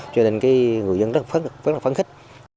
cho nên người dân rất là phấn khích